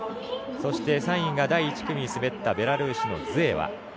そして３位が第１組に滑ったベラルーシのズエワ。